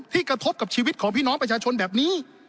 กระทบกับชีวิตของพี่น้องประชาชนแบบนี้